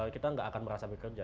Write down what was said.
kita nggak akan merasa bekerja